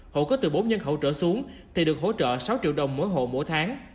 hộ có từ bốn nhân khẩu trở xuống thì được hỗ trợ sáu triệu đồng mỗi hộ mỗi tháng